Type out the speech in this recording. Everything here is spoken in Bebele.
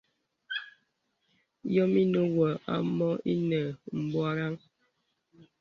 Yɔm inə̀ wǒ ǎ mǒ ìnə m̀bwarə̀ŋ.